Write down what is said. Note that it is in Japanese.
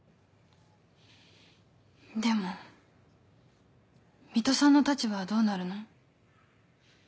でも水戸さんの立場はどうなるの？